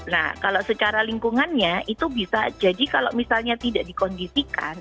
nah kalau secara lingkungannya itu bisa jadi kalau misalnya tidak dikondisikan